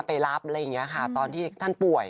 ไปรับอะไรอย่างนี้ค่ะตอนที่ท่านป่วย